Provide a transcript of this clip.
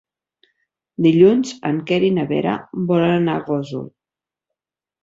Dilluns en Quer i na Vera volen anar a Gósol.